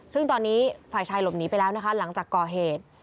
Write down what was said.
ซึ่งตอนนี้ฝ่ายชายหลบหนีไปแล้วนะคะหลังจากก่อเหตุ